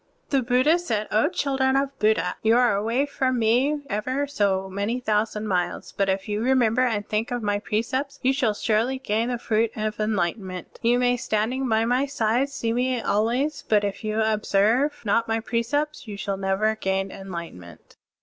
(37) The Buddha said: "O children of Bud dha! You are away from me ever so many thousand miles, but if you remember and think of my precepts, you shall surely gain the fruit of enlightenment. You may, standing by my side, see me alway, but if you observe not my precepts, you shall never gain enlightenment."